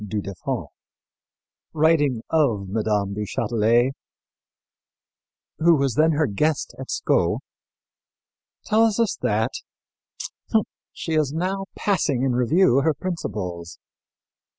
du Deffand, writing of Mme. du Châtelet, who was then her guest at Sceaux, tells us that "she is now passing in review her principles.